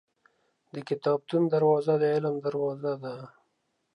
• د کتابتون دروازه د علم دروازه ده.